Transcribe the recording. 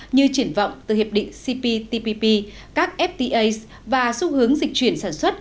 như triển vọng từ hiệp định cptpp các ftas và xu hướng dịch chuyển sản xuất